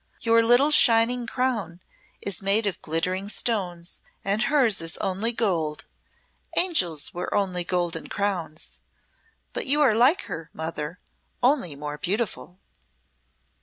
Your little shining crown is made of glittering stones, and hers is only gold. Angels wear only golden crowns but you are like her, mother, only more beautiful."